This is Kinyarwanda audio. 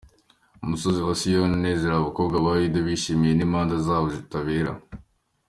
Umusozi wa Siyoni unezerwe, Abakobwa ba Yuda bishimishwe n’imanza zawe zitabera.